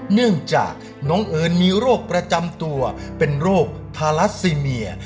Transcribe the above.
เนื่องจากน้องเอิญมีโรคประจำตัวเป็นโรคทารัสซีเมีย